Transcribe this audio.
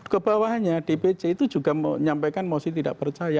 ke bawahnya dpc itu juga menyampaikan mosi tidak percaya